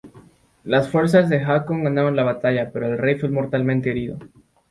Las fuerzas de Haakon ganaron la batalla, pero el rey fue mortalmente herido.